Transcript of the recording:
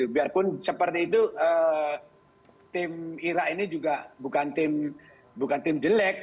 biarpun seperti itu tim irak ini juga bukan tim jelek